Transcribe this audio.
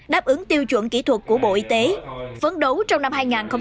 đáp ứng tiêu chuẩn kỹ thuật của bộ y tế phấn đấu trong năm hai nghìn hai mươi